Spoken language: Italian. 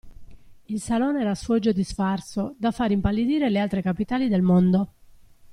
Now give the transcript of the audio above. Il salone era sfoggio di sfarzo da far impallidire le altre capitali del mondo.